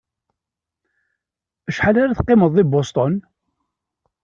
Acḥal ara teqqimeḍ deg Boston?